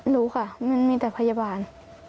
รู้ค่ะมันมีแต่พยาบาล